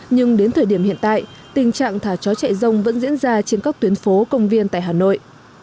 nhưng đến thời điểm hiện tại tình trạng thả chó chạy rông vẫn diễn ra trên các tuyến phố công viên tại hà nội